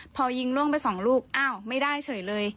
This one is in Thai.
พอยิงล่วงไปสองลูกอ้าวไม่ได้เฉยเลย